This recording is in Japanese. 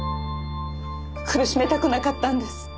苦しめたくなかったんです。